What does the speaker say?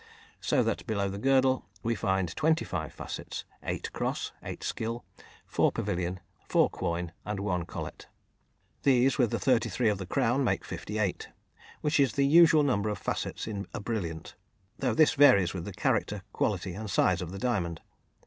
So that below the girdle, we find twenty five facets: 8 cross, 8 skill, 4 pavilion, 4 quoin, and 1 collet. These, with the 33 of the crown, make 58, which is the usual number of facets in a brilliant, though this varies with the character, quality, and size of the diamond.